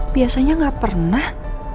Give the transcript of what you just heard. biasanya gak pernah